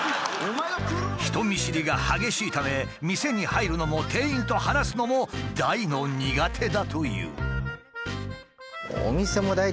人見知りが激しいため店に入るのも店員と話すのも大の苦手だという。